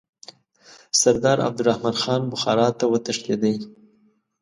سردار عبدالرحمن خان بخارا ته وتښتېدی.